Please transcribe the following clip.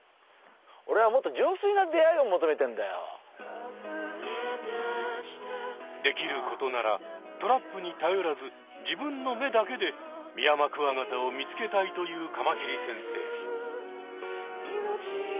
オレはもっとできることならトラップに頼らず自分の目だけでミヤマクワガタを見つけたいというカマキリ先生。